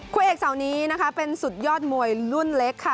คู่เอกเสาร์นี้เป็นสุดยอดมวยรุ่นเล็ก